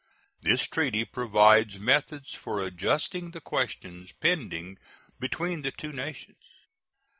This treaty provides methods for adjusting the questions pending between the two nations.